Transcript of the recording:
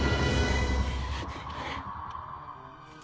ハァ。